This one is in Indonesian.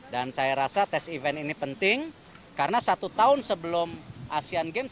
dan saya rasa tes event ini penting karena satu tahun sebelum asian games